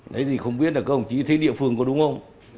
đấy thì không biết là các ông chí thấy địa phương có đúng không